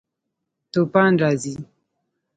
توپان راځي